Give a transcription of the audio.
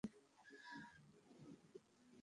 ঔরংজেব অত্যন্ত সমাদরের সহিত দূতকে আহ্বান করিলেন।